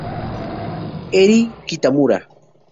Eri Kitamura